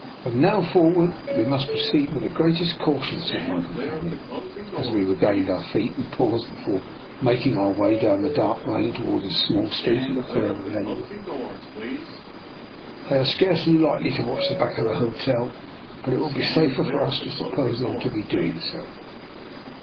" From now forward we must proceed with the greatest caution/' said my compan 144 ^^ NIKOLA'S EXPERIMENT. ion, as we regained our feet and paused before making our way down the dark lane toward a small street at the farther end. "They are scarcely likely to watch the back of the hotel, but it will be safer for us to suppose them to be doing so."